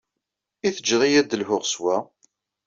I tejjed-iyi ad d-lhuɣ s wa?